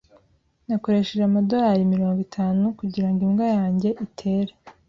Nakoresheje amadorari mirongo itanu kugirango imbwa yanjye itere.